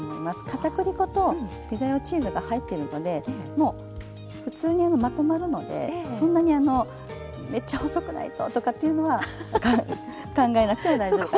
片栗粉とピザ用チーズが入ってるのでもう普通にまとまるのでそんなにめっちゃ細くないと！とかっていうのは考えなくても大丈夫かなと。